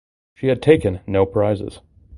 She had taken no prizes.